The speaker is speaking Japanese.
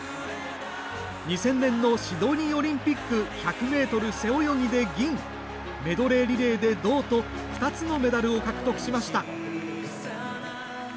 ２０００年のシドニーオリンピック１００ｍ背泳ぎで銀メドレーリレーで銅と２つのメダルを獲得しました。